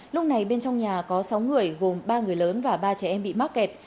lúc này bên trong nhà có sáu người gồm ba người lớn và ba trẻ em bị mắc kẹt